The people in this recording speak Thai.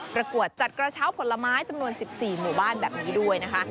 ประกวดจัดกระเช้าผลไม้จำนวน๑๔หมู่บ้านแบบนี้ด้วยนะคะ